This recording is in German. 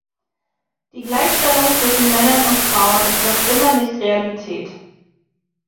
Die Gleichstellung zwischen Männern und Frauen ist noch immer nicht Realität.